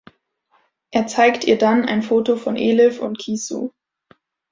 Er zeigt ihr dann ein Foto von Elif und Ki Su.